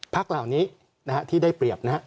พักเหล่านี้ที่ได้เปรียบ